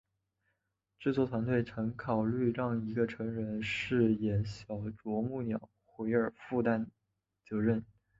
制作团队虽曾考虑让一位成人饰演小啄木鸟奎尔负责担任。